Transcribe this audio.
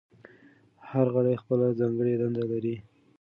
هر غړی خپله ځانګړې دنده لري.